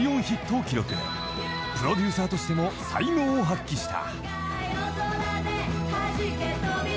［プロデューサーとしても才能を発揮した］